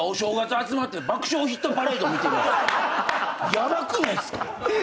ヤバくないっすか？